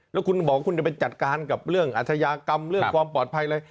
แล้วคุณบอกว่าคุณจะไปจัดการกับเรื่องอาชญากรรมเรื่องความปลอดภัยอะไร